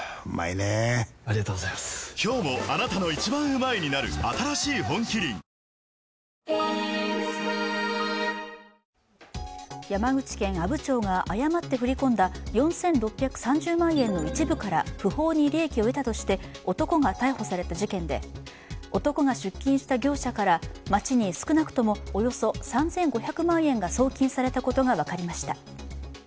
町内に設けられた献花台には昨日までに８１０組が訪れ山口県阿武町が誤って振り込んだ４６３０万円の一部から不法に利益を得たとして男が逮捕された事件で、男が出金した業者から町に少なくともおよそ３５００万円が送金されたことが分かりました。